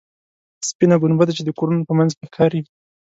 سپینه ګنبده چې د کورونو په منځ کې ښکاري.